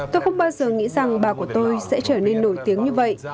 tôi không bao giờ nghĩ rằng bà của tôi sẽ trở nên nổi tiếng như vậy